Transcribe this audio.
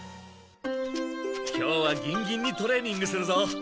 今日はギンギンにトレーニングするぞ。